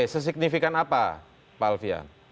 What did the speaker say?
sesignifikan apa pak alfian